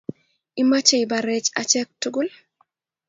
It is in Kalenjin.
Imache ibaarech ache tugul?